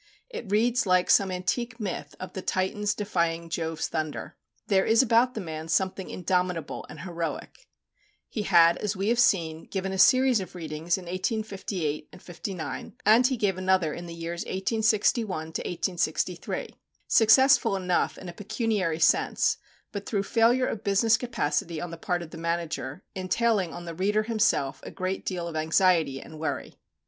It reads like some antique myth of the Titans defying Jove's thunder. There is about the man something indomitable and heroic. He had, as we have seen, given a series of readings in 1858 59; and he gave another in the years 1861 to 1863 successful enough in a pecuniary sense, but through failure of business capacity on the part of the manager, entailing on the reader himself a great deal of anxiety and worry.